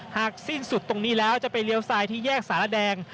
สิ้นสุดตรงนี้แล้วจะไปเลี้ยวซ้ายที่แยกสารแดง